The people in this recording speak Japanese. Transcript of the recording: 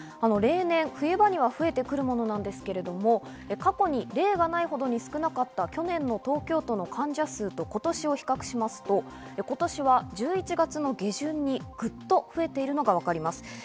例年、冬場には増えてくるものですけれども、過去に例がないほどに少なかった去年の東京都の患者数と、今年を比較しますと、今年は１１月の下旬にぐっと増えているのがわかります。